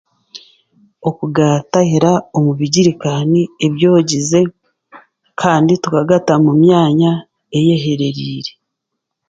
Okugatahira omu bigirikaani ebyogize kandi tukagata mu myanya eyehereriire.